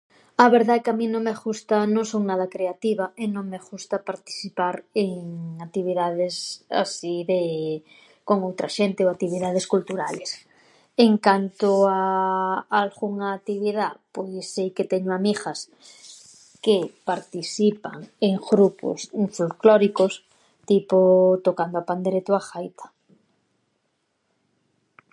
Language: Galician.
A verdá é que a min non me ghusta, non son nada creativa e non me ghusta partisipar en actividades así de con outra xente ou actividades culturales. En canto a alghunha actividá, pois si que teño amighas que partisipan en ghrupos folclóricos, tipo tocando a pandereta ou a ghaita.